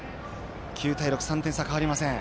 ９対６、３点差変わりません。